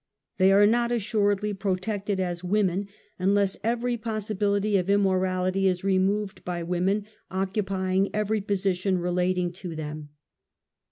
They are not assuredly protected as women, unless every possibility of immorality is removed by women occupying every position relating to them.